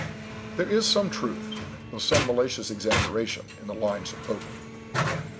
"There is some truth, though some malicious exaggeration, in the lines of Pope.